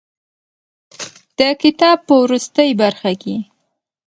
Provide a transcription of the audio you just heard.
د کتاب په وروستۍ برخه کې.